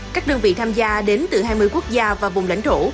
các đơn vị tham gia đến từ hai mươi quốc gia và vùng lãnh thổ